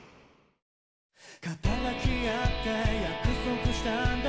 「肩抱き合って約束したんだ